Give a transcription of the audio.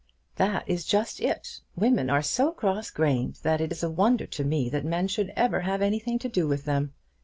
"That is just it. Women are so cross grained that it is a wonder to me that men should ever have anything to do with them.